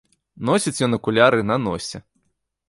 Носіць ён акуляры на носе.